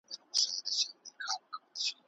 لویه ربه هرڅه ستا په قدرت کي دي.